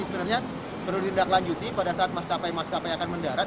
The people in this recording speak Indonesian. sebenarnya perlu didaklanjuti pada saat maskapai maskapai akan mendarat